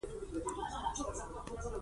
په انځور کې د اوبو جام رسم شوی و.